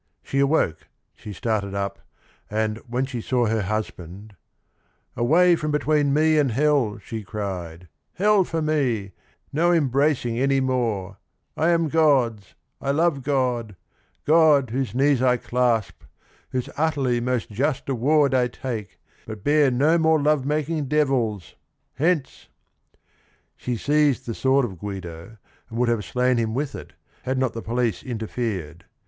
She awoke, she started up, and when she saw her husband, " 'Away from between me and hell,' she cried : 'Hell for me, no embracing any more 1 I am God's, I love God, God — whose knees I clasp, Whose utterly most just award I take, But bear no more love making devils : hence 1 '" She seized the sword of Guido, and would have slain him with it, had not the police interfered.